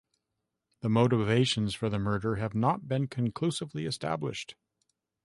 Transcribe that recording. The motives for the murder have not been conclusively established.